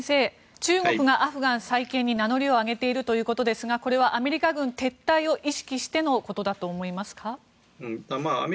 中国がアフガン再建に名乗りを上げているということですがこれはアメリカ軍撤退を意識してのことだと思いますか？